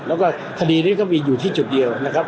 แล้วก็คดีนี้ก็มีอยู่ที่จุดเดียวนะครับ